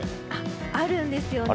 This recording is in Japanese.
あるんですよね。